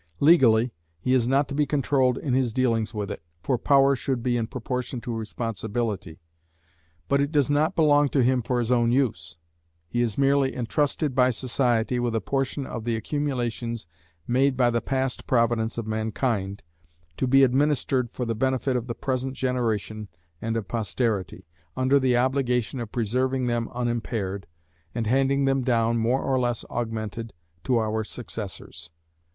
Legally he is not to be controlled in his dealings with it, for power should be in proportion to responsibility: but it does not belong to him for his own use; he is merely entrusted by society with a portion of the accumulations made by the past providence of mankind, to be administered for the benefit of the present generation and of posterity, under the obligation of preserving them unimpaired, and handing them down, more or less augmented, to our successors.